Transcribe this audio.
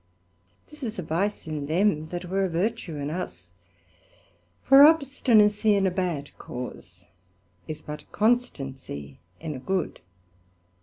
This is a vice in them, that were a vertue in us; for obstinacy in a bad Cause is but constancy in a good.